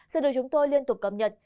sẽ được chúng tôi liên tục cập nhật